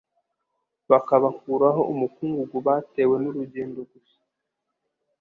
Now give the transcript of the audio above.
bakabakuraho umukungugu batewe n'urugendo gusa.